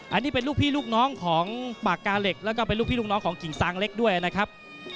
อันนี้เป็นลูกพี่ลูกน้องของปากกาเหล็กแล้วก็เป็นลูกพี่ลูกน้องของกิ่งซางเล็กด้วยนะครับ